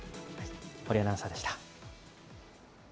堀アナウンサーでした。